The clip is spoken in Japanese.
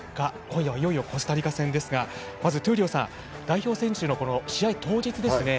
今夜はいよいよコスタリカ戦ですがまず、闘莉王さん代表選手の試合当日ですね